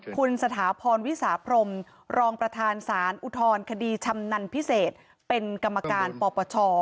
คุณสถาพรวิสาพรมรองประธานสารอุทธรณคดีชำนันพิเศษเป็นกรรมการปปช